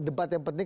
debat yang penting